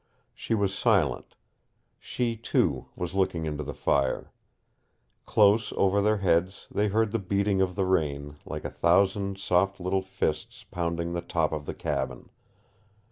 She was silent. She, too, was looking into the fire. Close over their heads they heard the beating of the rain, like a thousand soft little fists pounding the top of the cabin.